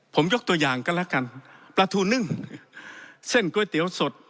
ผมยกตัวอย่างก็แล้วกันปลาทูนึ่งเส้นก๋วยเตี๋ยวสด